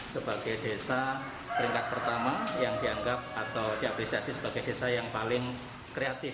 sebagai desa peringkat pertama yang dianggap atau diapresiasi sebagai desa yang paling kreatif